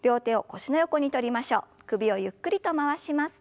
首をゆっくりと回します。